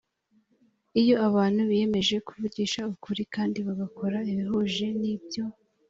iyo abantu biyemeje kuvugisha ukuri kandi bagakora ibihuje n ibyo